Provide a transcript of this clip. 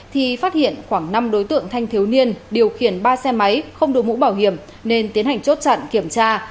thì phát hiện khoảng năm đối tượng thanh thiếu niên điều khiển ba xe máy không đổi mũ bảo hiểm nên tiến hành chốt chặn kiểm tra